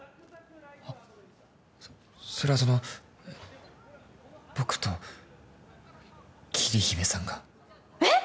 あそれはその僕と桐姫さんがえっ？